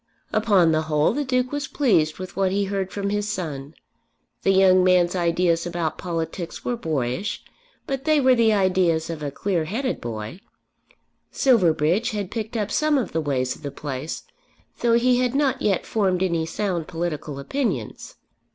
Upon the whole the Duke was pleased with what he heard from his son. The young man's ideas about politics were boyish, but they were the ideas of a clear headed boy. Silverbridge had picked up some of the ways of the place, though he had not yet formed any sound political opinions.